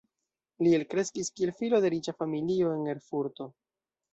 Li elkreskis kiel filo de riĉa familio en Erfurto.